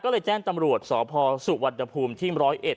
ก็เลยแจ้งตำรวจสพสุวรรณภูมิที่๑๐๑